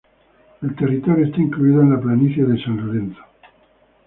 El territorio está incluso en la planicie del San Lorenzo.